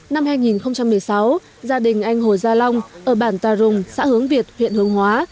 năm hai nghìn một mươi sáu gia đình anh hồ gia long ở bản tà rùng xã hướng việt huyện hướng hóa